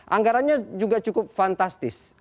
anggarannya juga cukup fantastis